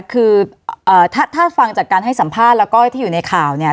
คือถ้าฟังจากการให้สัมภาษณ์แล้วก็ที่อยู่ในข่าวเนี่ย